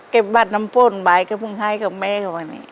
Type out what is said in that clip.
เก็บบัตรนำฝนบ่ายกะพุงฮ้ายกะมั๊วนะเนี่ย